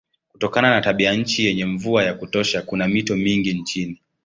Kutokana na tabianchi yenye mvua ya kutosha kuna mito mingi nchini.